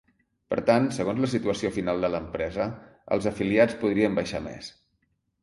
Per tant, segons la situació final de l’empresa, els afiliats podrien baixar més.